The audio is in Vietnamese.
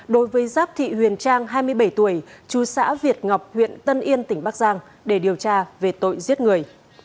đối với giáp thị huyền trang hai mươi bảy tuổi chú xã việt ngọc huyện tân yên tỉnh bắc giang để điều tra về tội giết người